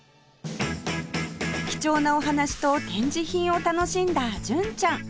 貴重なお話と展示品を楽しんだ純ちゃん